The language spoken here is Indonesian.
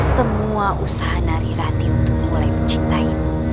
semua usaha nari rati untuk mulai mencintaimu